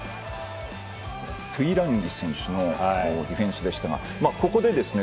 トゥイランギ選手のディフェンスでしたがここでですね